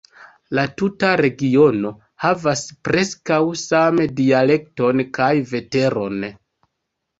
La tuta regiono havas preskaŭ same dialekton kaj veteron.